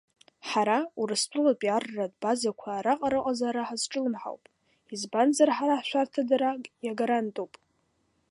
Ҳара, Урыстәылатәи арратә базақәа араҟа рыҟазаара ҳазҿлымҳауп, избанзар ҳара ҳшәарҭадара иагарантуп.